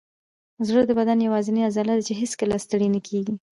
زړه د بدن یوازینی عضله ده چې هیڅکله ستړې نه کېږي.